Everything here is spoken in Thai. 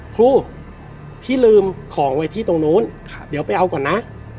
ครูพี่ลืมของไว้ที่ตรงนู้นเดี๋ยวไปเอาก่อนนะ